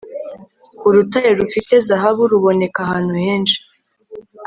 urutare rufite zahabu ruboneka ahantu henshi